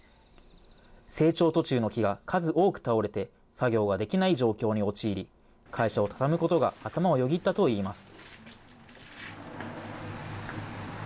成長途中の木が数多く倒れて、作業ができない状況に陥り、会社を畳むことが頭をよぎったといいます。